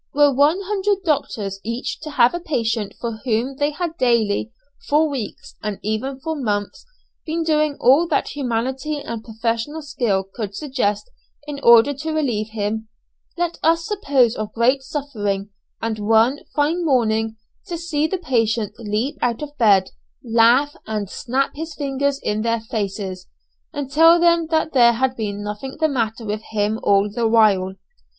Were one hundred doctors each to have a patient for whom they had daily, for weeks, and even for months, been doing all that humanity and professional skill could suggest in order to relieve him, let us suppose of great suffering, and one fine morning to see the patient leap out of bed, laugh, and snap his fingers in their faces, and tell them that there had been nothing the matter with him all the while!